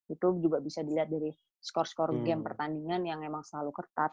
itu juga bisa dilihat dari skor skor game pertandingan yang memang selalu ketat